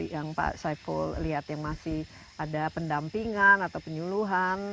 yang pak saiful lihat yang masih ada pendampingan atau penyuluhan